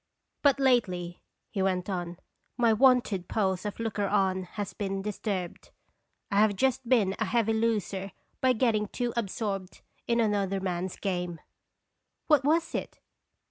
"But lately," he went on, "my wonted pose of looker on has been disturbed. I have just been a heavy loser by getting too absorbed in another man's game." "What was it?